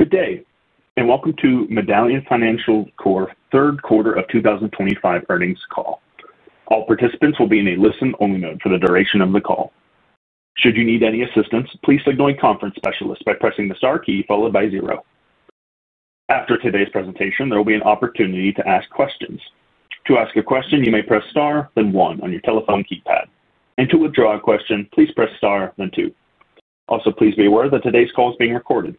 Good day and welcome to Medallion Financial Corp third quarter of 2025 earnings call. All participants will be in a listen-only mode for the duration of the call. Should you need any assistance, please signal conference specialists by pressing the star key followed by zero. After today's presentation, there will be an opportunity to ask questions. To ask a question, you may press star then one on your telephone keypad, and to withdraw a question, please press star then two. Also, please be aware that today's call is being recorded.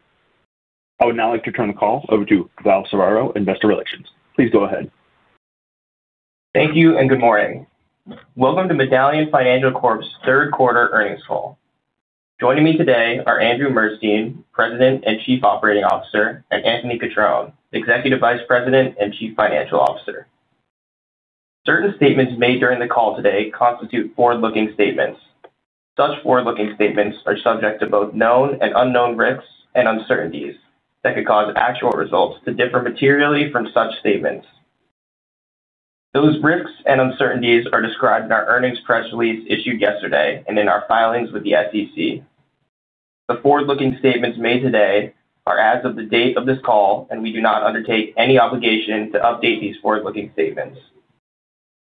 I would now like to turn the call over to Val Serra, Investor Relations. Please go ahead. Thank you and good morning. Welcome to Medallion Financial Corp's third quarter earnings call. Joining me today are Andrew Murstein, President and Chief Operating Officer, and Anthony Cotrone, Executive Vice President and Chief Financial Officer. Certain statements made during the call today constitute forward-looking statements. Such forward-looking statements are subject to both known and unknown risks and uncertainties that could cause actual results to differ materially from such statements. Those risks and uncertainties are described in our earnings press release issued yesterday and in our filings with the SEC. The forward-looking statements made today are as of the date of this call and we do not undertake any obligation to update these forward-looking statements.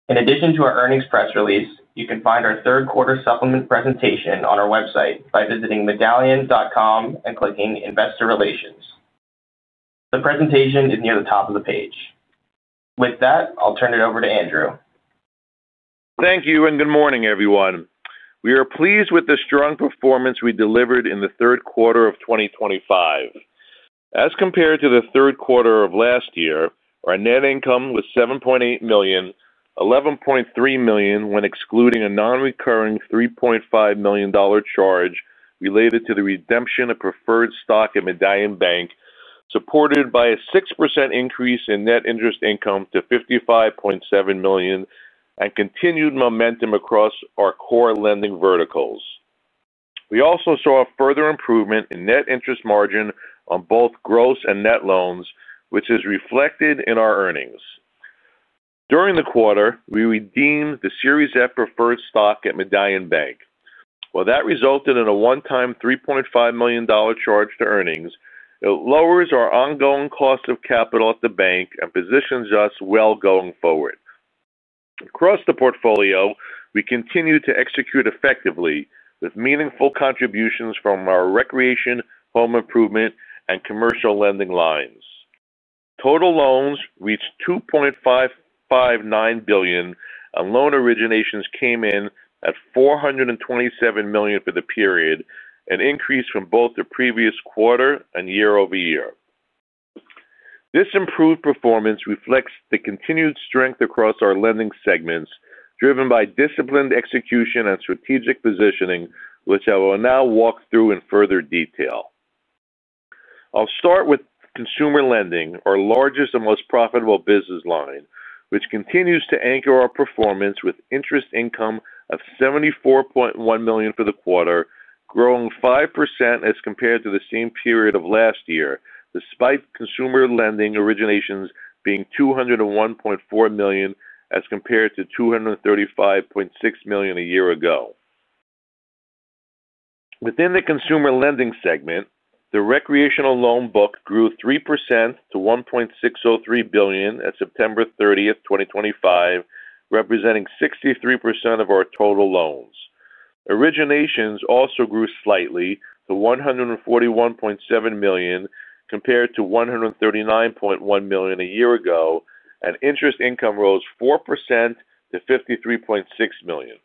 In addition to our earnings press release, you can find our third quarter supplement presentation on our website by visiting medallion.com and clicking Investor Relations. The presentation is near the top of the page. With that, I'll turn it over to Andrew. Thank you and good morning everyone. We are pleased with the strong performance we delivered in the third quarter of 2025 as compared to the third quarter of last year. Our net income was $7.8 million, $11.3 million when excluding a non-recurring $3.5 million charge related to the redemption of first stock at Medallion Bank, supported by a 6% increase in net interest income to $55.7 million and continued momentum across our core lending verticals. We also saw a further improvement in net interest margin on both gross and net loans, which is reflected in our earnings during the quarter. We redeemed the Series F Preferred Stock at Medallion Bank. While that resulted in a one-time $3.5 million charge to earnings, it lowers our ongoing cost of capital at the bank and positions us well going forward across the portfolio. We continue to execute effectively with meaningful contributions from our recreation, home improvement, and commercial lending lines. Total loans reached $2.559 billion and loan originations came in at $427 million for the period, an increase from both the previous quarter and year-over-year. This improved performance reflects the continued strength across our lending segments, driven by disciplined execution and strategic positioning, which I will now walk through in further detail. I'll start with consumer lending, our largest and most profitable business line, which continues to anchor our performance. With interest income of $74.1 million for the quarter, growing 5% as compared to the same period of last year, despite consumer lending originations being $201.4 million as compared to $235.6 million a year ago. Within the consumer lending segment, the recreational loan book grew 3% to $1.603 billion at September 30, 2025, representing 63% of our total. Loan originations also grew slightly to $141.7 million compared to $139.1 million a year ago, and interest income rose 4% to $53.6 million.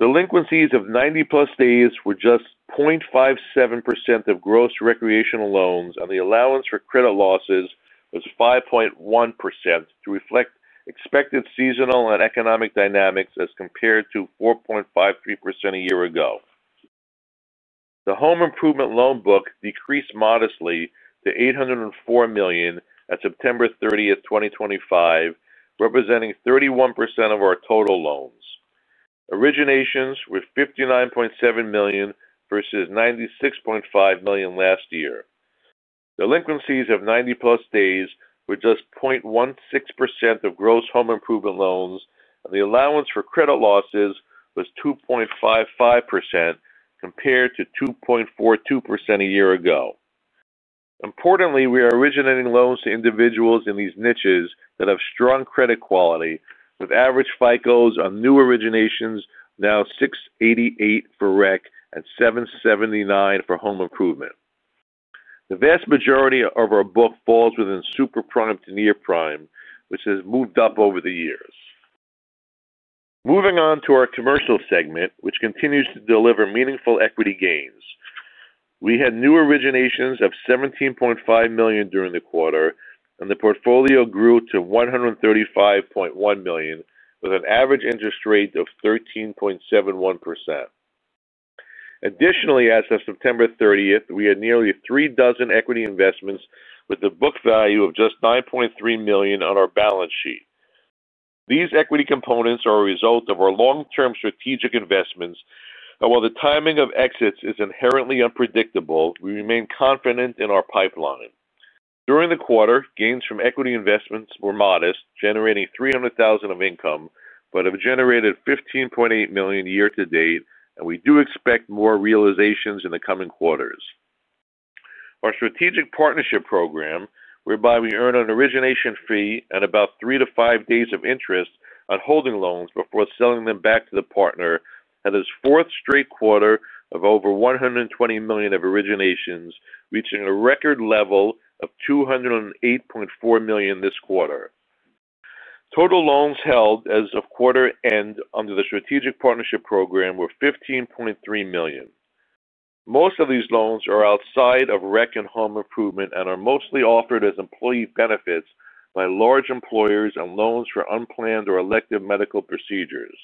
Delinquencies of 90+ days were just 0.57% of gross recreational loans, and the allowance for credit losses was 5.1% to reflect expected seasonal and economic dynamics as compared to 4.53% a year ago. The home improvement loan book decreased modestly to $804 million at September 30, 2025, representing 31% of our total loans. Originations were $59.7 million versus $96.5 million last year. Delinquencies of 90+ days were just 0.16% of gross home improvement loans, and the allowance for credit losses was 2.55% compared to 2.42% a year ago. Importantly, we are originating loans to individuals. In these niches that have strong credit quality with average FICO on new originations now 688 for rec and 779 for home improvement. The vast majority of our book falls within super prime to near prime, which has moved up over the years. Moving on to our commercial segment, which continues to deliver meaningful equity gains, we had new originations of $17.5 million during the quarter and the portfolio grew to $135.1 million with an average interest rate of 13.71%. Additionally, as of September 30th, we had nearly three dozen equity investments with a book value of just $9.3 million on our balance sheet. These equity components are a result of our long term strategic investments, and while the timing of exits is inherently unpredictable, we remain confident in our pipeline. During the quarter, gains from equity investments were modest, generating $300,000 of income, but have generated $15.8 million year to date and we do expect more realizations in the coming quarters. Our strategic partnership program, whereby we earn an origination fee and about three to five days of interest on holding loans before selling them back to the partner, had its fourth straight quarter of over $120 million of originations, reaching a record level of $208.4 million this quarter. Total loans held as of quarter end under the strategic partnership program were $15.3 million. Most of these loans are outside of rec and home improvement and are mostly offered as employee benefits by large employers and loans for unplanned or elective medical procedures.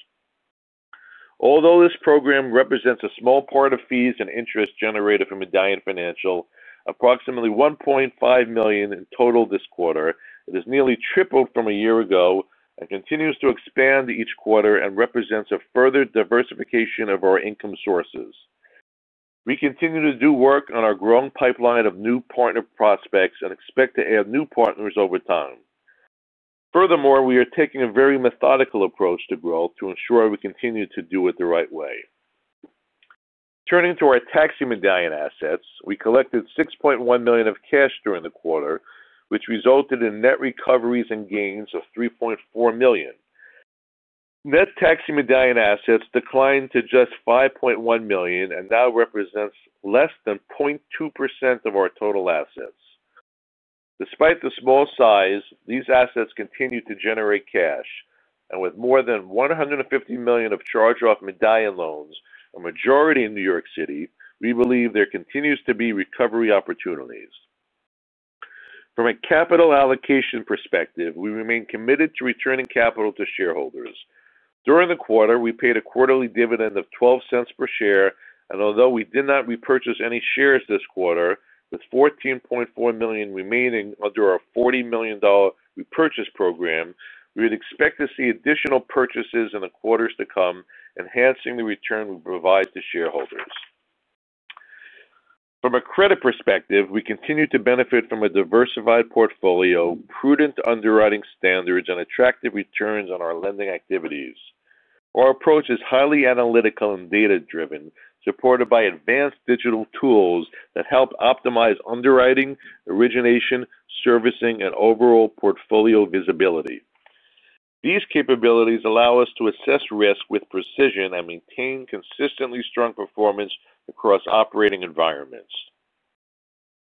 Although this program represents a small part of fees and interest generated from Medallion Financial approximately $1.5 million in total this quarter, it has nearly tripled from a year ago and continues to expand each quarter and represents a further diversification of our income sources. We continue to do work on our growing pipeline of new partner prospects and expect to add new partners over time. Furthermore, we are taking a very methodical approach to growth to ensure we continue to do it the right way. Turning to our taxi medallion assets, we collected $6.1 million of cash during the quarter, which resulted in net recoveries and gains of $3.4 million. Net taxi medallion assets declined to just $5.1 million and now represents less than 0.2% of our total assets. Despite the small size, these assets continue to generate cash, and with more than $150 million of charge-off medallion loans, a majority in New York City, we believe there continue to be recovery opportunities. From a capital allocation perspective, we remain committed to returning capital to shareholders. During the quarter, we paid a quarterly dividend of $0.12 per share, and although we did not repurchase any shares this quarter, with $14.4 million remaining under a $40 million repurchase program, we would expect to see additional purchases in the quarters to come, enhancing the return we provide to shareholders. From a credit perspective, we continue to benefit from a diversified portfolio, prudent underwriting standards, and attractive returns on our lending activities. Our approach is highly analytical and data-driven, supported by advanced digital tools that help optimize underwriting, origination, servicing, and overall portfolio visibility. These capabilities allow us to assess risk with precision and maintain consistently strong performance across operating environments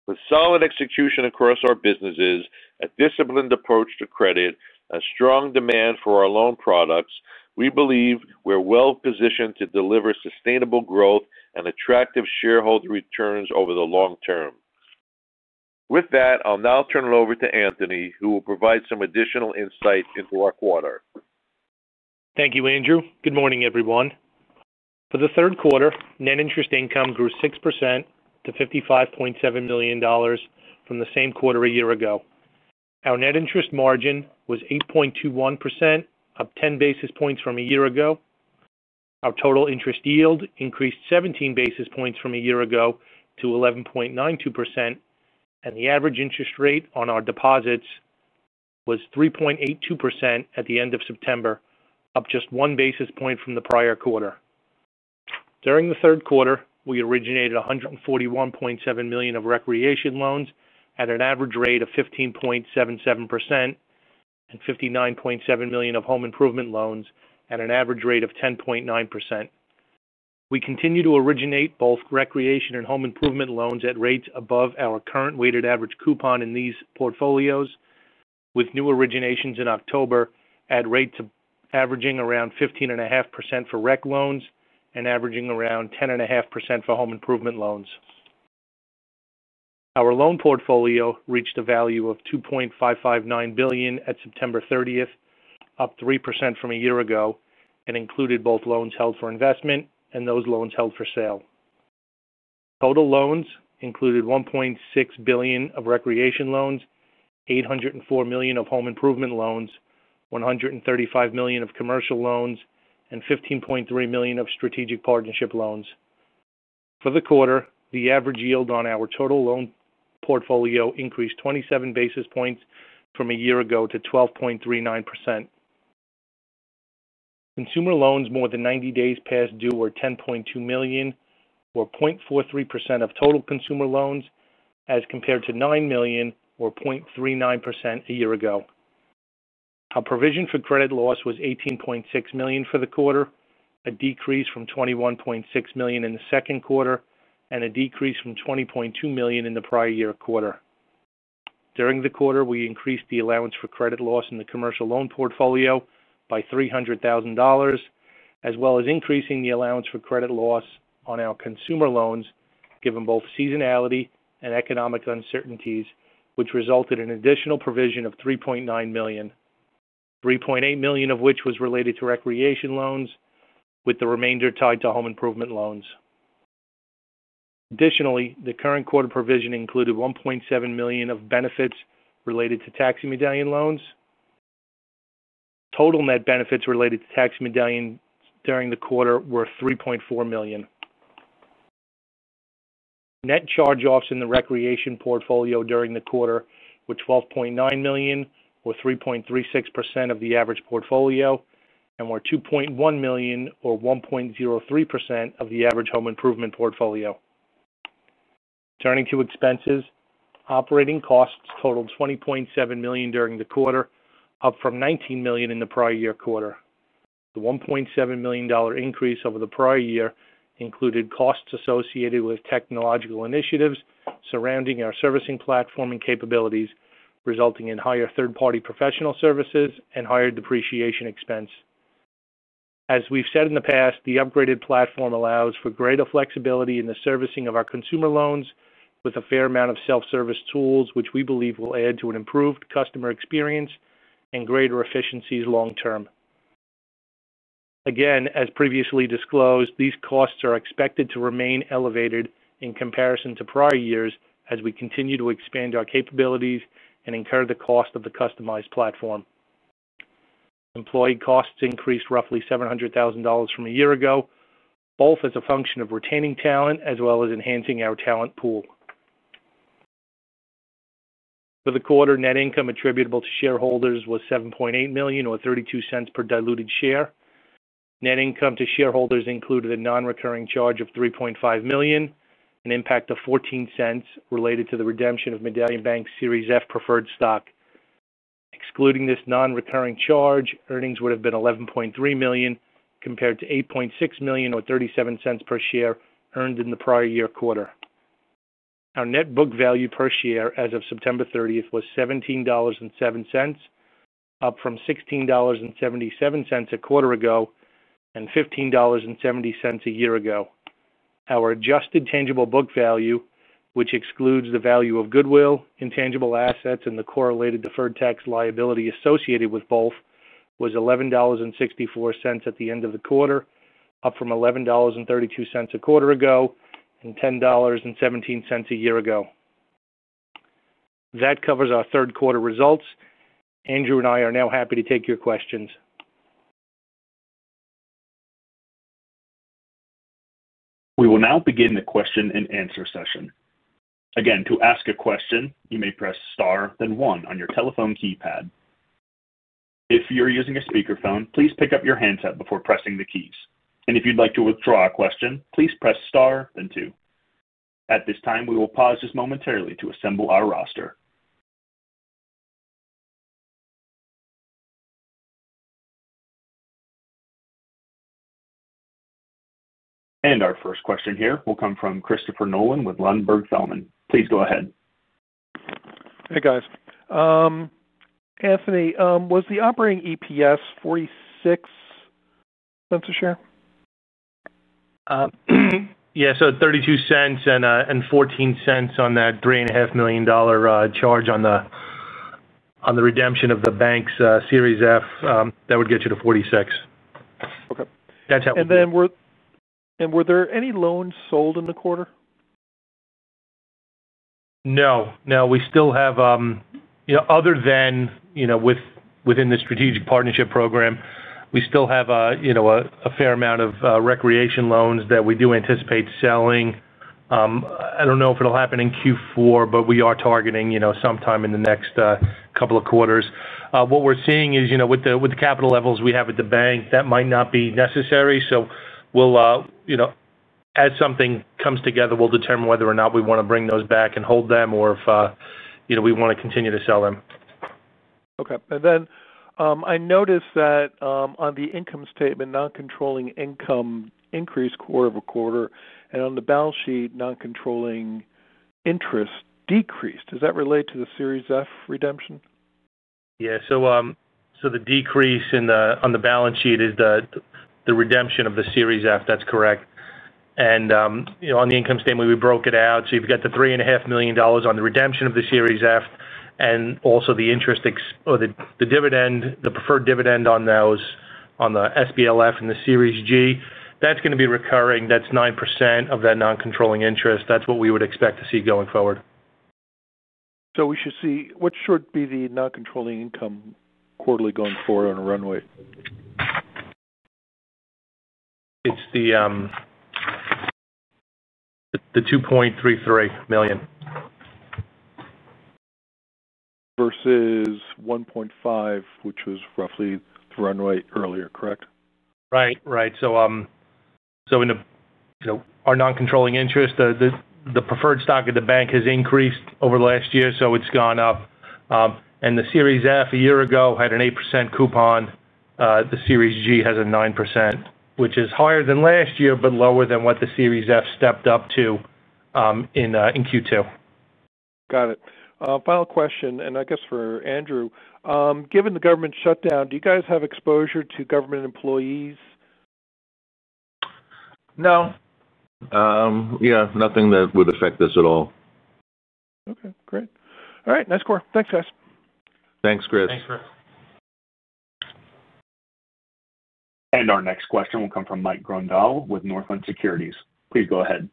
with solid execution across our businesses. A disciplined approach to credit, a strong demand for our loan products. We believe we're well positioned to deliver sustainable growth and attractive shareholder returns over the long term. With that, I'll now turn it over to Anthony, who will provide some additional insight into our quarter. Thank you, Andrew. Good morning everyone. For the third quarter, net interest income grew 6% to $55.7 million from the same quarter a year ago. Our net interest margin was 8.21%, up 10 basis points from a year ago. Our total interest yield increased 17 basis points from a year ago to 11.92%, and the average interest rate on our deposits was 3.82% at the end of September, up just 1 basis point from the prior quarter. During the third quarter, we originated $141.7 million of recreation loans at an average rate of 15.77% and $59.7 million of home improvement loans at an average rate of 10.9%. We continue to originate both recreation and home improvement loans at rates above our current weighted average coupon in these portfolios, with new originations in October at rates averaging around 15.5% for recreation loans and averaging around 10.5% for home improvement loans. Our loan portfolio reached a value of $2.559 billion at September 30, up 3% from a year ago, and included both loans held for investment and those loans held for sale. Total loans included $1.6 billion of recreation loans, $804 million of home improvement loans, $135 million of commercial loans, and $15.3 million of strategic partnership loans. For the quarter, the average yield on our total loan portfolio increased 27 basis points from a year ago to 12.39%. Consumer loans more than 90 days past due were $10.2 million, or 0.43% of total consumer loans, as compared to $9 million or 0.39% a year ago. Our provision for credit loss was $18.6 million for the quarter, a decrease from $21.6 million in the second quarter and a decrease from $20.2 million in the prior year quarter. During the quarter, we increased the allowance for credit loss in the commercial loan portfolio by $300,000 as well as increasing the allowance for credit loss on our consumer loans given both seasonality and economic uncertainties, which resulted in additional provision of $3.9 million, $3.8 million of which was related to recreation loans with the remainder tied to home improvement loans. Additionally, the current quarter provision included $1.7 million of benefits related to taxi medallion loans. Total net benefits related to taxi medallion during the quarter were $3.4 million. Net charge-offs in the recreation portfolio during the quarter were $12.9 million or 3.36% of the average portfolio and were $2.1 million or 1.03% of the average home improvement portfolio. Turning to expenses, operating costs totaled $20.7 million during the quarter, up from $19 million in the prior year quarter. The $1.7 million increase over the prior year included costs associated with technological initiatives surrounding our servicing platform and capabilities, resulting in higher third-party professional services and higher depreciation expense. As we've said in the past, the upgraded platform allows for greater flexibility in the servicing of our consumer loans with a fair amount of self-service tools, which we believe will add to an improved customer experience and greater efficiencies long term. As previously disclosed, these costs are expected to remain elevated in comparison to prior years as we continue to expand our capabilities and incur the cost of the customized platform. Employee costs increased roughly $700,000 from a year ago, both as a function of retaining talent as well as enhancing our talent pool. For the quarter, net income attributable to shareholders was $7.8 million or $0.32 per diluted share. Net income to shareholders included a non-recurring charge of $3.5 million, an impact of $0.14 related to the redemption of Medallion Bank Series F Preferred Stock. Excluding this non-recurring charge, earnings would have been $11.3 million compared to $8.6 million or $0.37 per share earned in the prior year quarter. Our net book value per share as of September 30, was $17.07, up from $16.77 a quarter ago and $15.70 a year ago. Our adjusted tangible book value, which excludes the value of goodwill, intangible assets, and the correlated deferred tax liability associated with both, was $11.64 at the end of the quarter, up from $11.32 a quarter ago and $10.17 a year ago. That covers our third quarter results. Andrew and I are now happy to take your question. We will now begin the question and answer session again. To ask a question, you may press star then one on your telephone keypad. If you're using a speakerphone, please pick up your handset before pressing the keys. If you'd like to withdraw a question, please press star then two. At this time, we will pause just momentarily to assemble our roster and our First question here will come from Christopher Nolan with Ladenburg Thalmann. Please go ahead. Hey guys. Anthony, was the operating EPS $0.46 a share? $0.32 and $0.14 on that $3.5 million charge on the redemption of the bank's Series F Preferred Stock would get you to $0.46. Okay. Were there any loans sold in the quarter? Other than within the strategic partnership program, we still have a fair amount of recreation loans that we do anticipate selling. I don't know if it'll happen in Q4, but we are targeting sometime in the next couple of quarters. What we're seeing is with the capital levels we have at the bank, that might not be necessary. As something comes together, we'll determine whether or not we want to bring those back and hold them or if we want to continue to sell them. Okay. I noticed that on the income statement, non-controlling income increased quarter-over-quarter. On the balance sheet, non-controlling interest decreased. Does that relate to the Series F Preferred Stock redemption? Yeah. The decrease on the balance sheet is the redemption of the Series F. That's correct. On the income statement, we broke it out. You've got the $3.5 million on the redemption of the Series F and also the interest or the dividend, the preferred dividend on those, on the SPLF and the Series G. That's going to be recurring, that's 9% of that non-controlling interest. That's what we would expect to see going forward. We should see what should be the non-controlling income quarterly going forward on a runway. It's the $2.33 million. Versus 1.5%, which was roughly the runway earlier. Correct? Right. Our non-controlling interest, the preferred stock at the bank, has increased over the last year. It's gone up, and the Series F a year ago had an 8% coupon. The Series G has a 9%, which is higher than last year but lower than what the Series F stepped up to in Q2. Got it. Final question, and I guess for Andrew, given the government shutdown, do you guys have exposure to government employees? No. Nothing that would affect this at all. Okay, great. All right. Nice call. Thanks, guys. Thanks, Chris. Our next question will come from Mike Grondahl with Northland Securities. Please go ahead.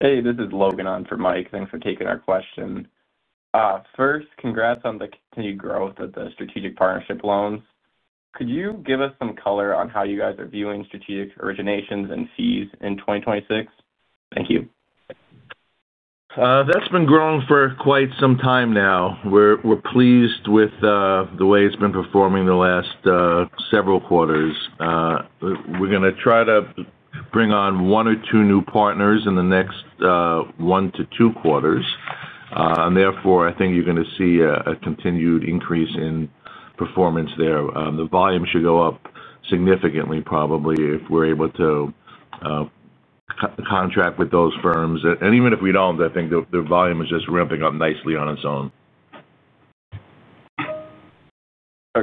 Hey, this is Logan on for Mike. Thanks for taking our question. First, congrats on the continued growth of the strategic partnership program loans. Could you give us some color on how you guys are viewing strategic originations and fees in 2026? Thank you. That's been growing for quite some time now. We're pleased with the way it's been performing the last several quarters. We're going to try to bring on. One or two new partners in the next one to two quarters. Therefore, I think you're going to see a continued increase in performance there. The volume should go up significantly, probably, if we're able to contract with those firms. Even if we don't, I think the volume is just ramping up nicely on its own.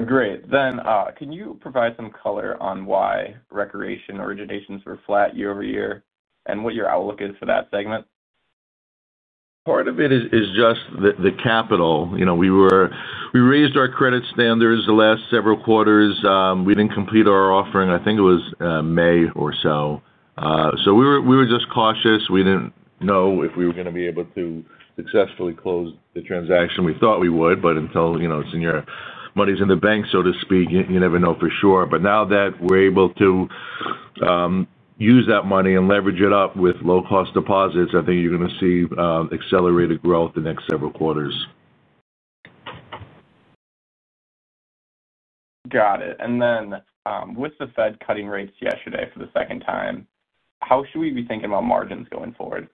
Great. Can you provide some color on why recreation originations were flat year-over-year and what your outlook is for that segment? Part of it is just the capital. We raised our credit standards the last several quarters. We didn't complete our offering. I think it was May or so. We were just cautious. We didn't know if we were going. To be able to successfully close the transaction. We thought we would, but until, you know, senior money's in the bank, so to speak, you never know for sure. Now that we're able to use that money and leverage it up with low cost deposits, I think you're going to see accelerated growth the next several quarters. Got it. With the Fed cutting rates yesterday for the second time, how should we be thinking about margins going forward?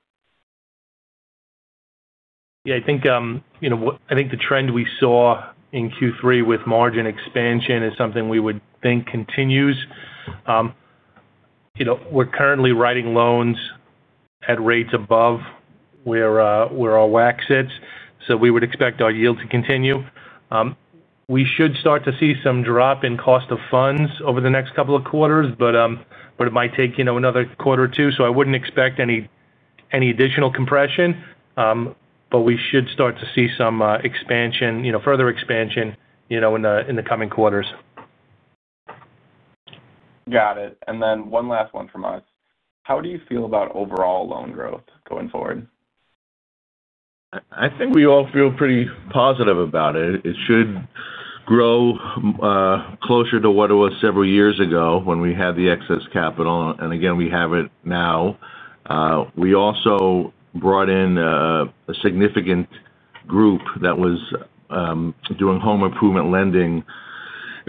Yeah, I think the trend we saw in Q3 with margin expansion is something we would continue. You know, we're currently writing loans at rates above where our WACC sits, so we would expect our yield to continue. We should start to see some drop in cost of funds over the next couple of quarters. It might take, you know, another quarter or two. I wouldn't expect any additional compression. We should start to see some expansion, you know, further expansion in the coming quarters. Got it. One last one from us. How do you feel about overall loan growth going forward? I think we all feel pretty positive about it. It should grow closer to what it was several years ago when we had the excess capital, and again we have it now. We also brought in a significant group that was doing home improvement lending,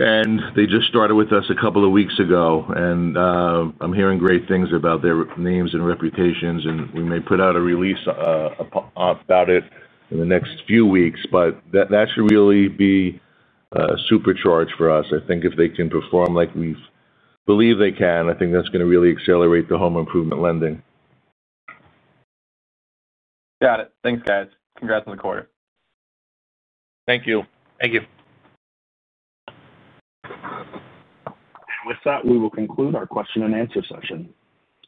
and they just started with us a couple of weeks ago. I'm hearing great things about their names and reputations, and we may put out a release about it in the next few weeks. That should really be supercharged for us. I think if they can perform like. We believe they can. I think that's going to really accelerate the home improvement loans. Got it. Thanks, guys. Congrats on the quarter. Thank you. With that, we will conclude our question and answer session.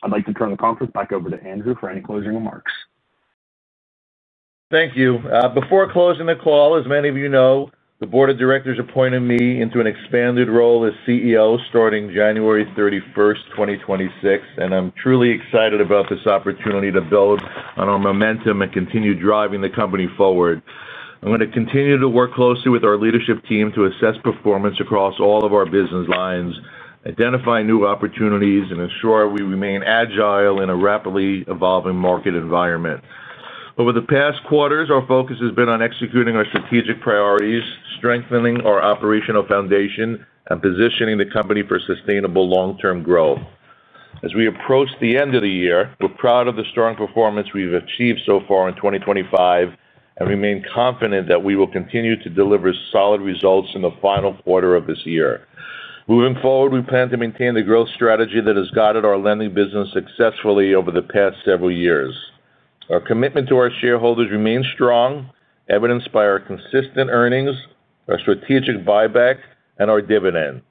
I'd like to turn the conference back over to Andrew Murstein for any closing remarks. Thank you. Before closing the call, as many of you know, the board of directors appointed me into an expanded role as CEO starting January 31st, 2026. I'm truly excited about this opportunity to build on our momentum and continue driving the company forward. I'm going to continue to work closely with our leadership team to assess performance across all of our business lines, identify new opportunities, and ensure we remain agile in a rapidly evolving market environment. Over the past quarters, our focus has been on executing our strategic priorities, strengthening our operational foundation, and positioning the company for sustainable long term growth. As we approach the end of the year, we're proud of the strong performance. We've achieved so far in 2025 and remain confident that we will continue to deliver solid results in the final quarter of this year. Moving forward, we plan to maintain the growth strategy that has guided our lending business successfully over the past several years. Our commitment to our shareholders remains strong, evidenced by our consistent earnings, our strategic buyback, and our dividend.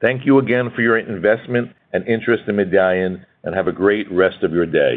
Thank you again for your investment and interest in Medallion, and have a great rest of your day.